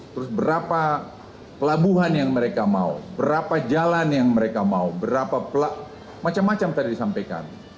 terus berapa pelabuhan yang mereka mau berapa jalan yang mereka mau berapa macam macam tadi disampaikan